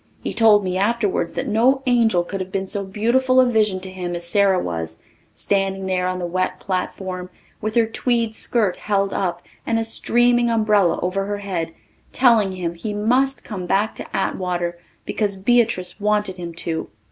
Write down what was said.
He told me afterwards that no angel could have been so beautiful a vision to him as Sara was, standing there on the wet platform with her tweed skirt held up and a streaming umbrella over her head, telling him he must come back to Atwater because Beatrice wanted him to.